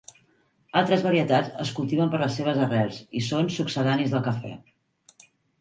Altres varietats es cultiven per les seves arrels i són succedanis del cafè.